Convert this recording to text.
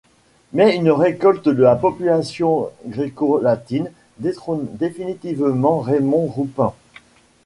Mais une révolte de la population gréco-latine détrône définitivement Raymond-Roupen.